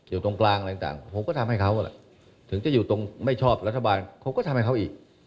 อยู่ตรงกลางอะไรต่างผมก็ทำให้เขาถึงจะอยู่ตรงไม่ชอบรัฐบาลเขาก็ทำให้เขาอีก